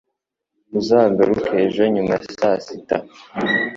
Uzagaruke ejo nyuma ya saa sita